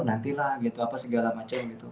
nanti lah gitu apa segala macem gitu